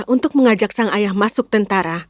untuk mengajak sang ayah masuk tentara